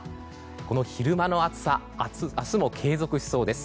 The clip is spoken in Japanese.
この昼間の暑さ明日も継続しそうです。